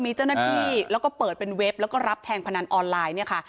มีเจ้าหน้าที่แล้วก็เปิดเป็นเว็บแล้วก็รับแทงพนันออนไลน์เนี่ยค่ะ